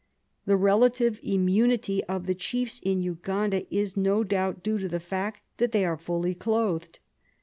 The relative immunity of the chiefs in Uganda is no doubt due to the fact that they are fully clothed.